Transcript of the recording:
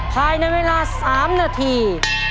ภายในเวลา๓นาที